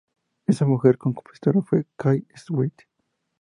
Esa mujer compositora fue Kay Swift.